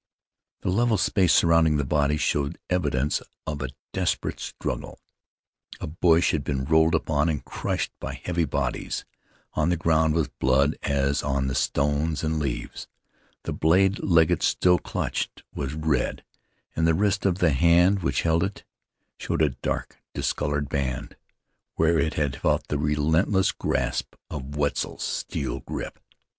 The level space surrounding the bodies showed evidence of a desperate struggle. A bush had been rolled upon and crushed by heavy bodies. On the ground was blood as on the stones and leaves. The blade Legget still clutched was red, and the wrist of the hand which held it showed a dark, discolored band, where it had felt the relentless grasp of Wetzel's steel grip.